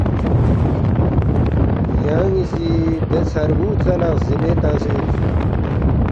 یان٘ی سی دے ژھربُو ژا لہ غزِیمے تنگسے یودسُوک